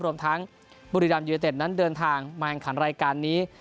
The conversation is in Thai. รวมทั้งบุรีรัมยูเนเต็ดนั้นเดินทางมาแข่งขันรายการนี้